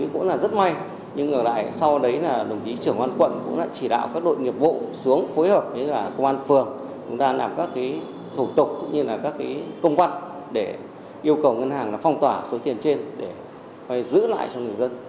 cũng là rất may nhưng ngược lại sau đấy là đồng chí trưởng quan quận cũng đã chỉ đạo các đội nghiệp vụ xuống phối hợp với cả công an phường chúng ta làm các thủ tục cũng như là các công văn để yêu cầu ngân hàng phong tỏa số tiền trên để giữ lại cho người dân